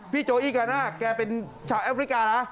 พี่โจอิกานะแกเป็นชาวแอฟริกานะ